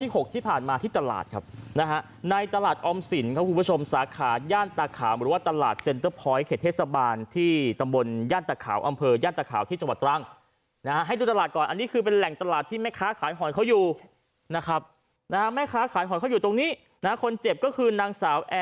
หกที่ผ่านมาที่ตลาดครับนะฮะในตลาดออมสินครับคุณผู้ชมสาขาย่านตาขาวหรือว่าตลาดเซ็นเตอร์พอยต์เขตเทศบาลที่ตำบลย่านตะขาวอำเภอย่านตะขาวที่จังหวัดตรังนะฮะให้ดูตลาดก่อนอันนี้คือเป็นแหล่งตลาดที่แม่ค้าขายหอยเขาอยู่นะครับนะฮะแม่ค้าขายหอยเขาอยู่ตรงนี้นะคนเจ็บก็คือนางสาวแอ